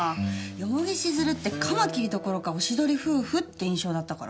蓬城静流ってカマキリどころかおしどり夫婦って印象だったから。